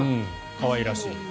可愛らしい。